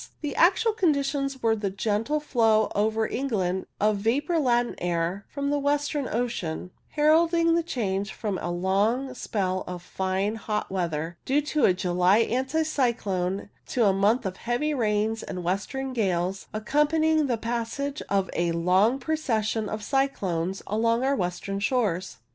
The actual conditions were the gentle flow over England of vapour laden air from the western ocean, heralding the change from a long spell of fine hot weather, due to a July anticyclone, to a month of heavy rains and western gales, accompanying the passage of a long procession of cyclones along our western shores.